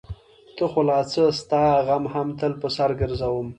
ته خو لا څه؛ ستا غم هم تل په سر ګرځوم.